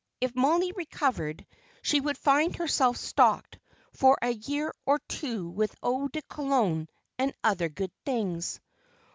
If Mollie recovered she would find herself stocked for a year or two with eau de cologne and other good things.